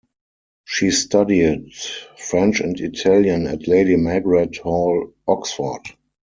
She studied French and Italian at Lady Margaret Hall, Oxford.